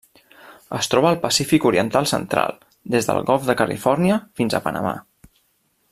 Es troba al Pacífic oriental central: des del golf de Califòrnia fins a Panamà.